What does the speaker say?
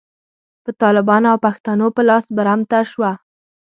په طالبانو او پښتنو په لاس برمته شوه.